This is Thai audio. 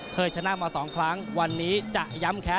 ชนะมา๒ครั้งวันนี้จะย้ำแค้